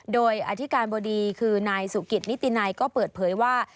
โดยอธิการบดีคือนายสุกิตนิตินัยก็เปิดเผยว่า